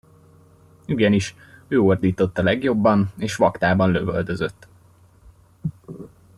Igenis, ő ordított a legjobban, és vaktában lövöldözött.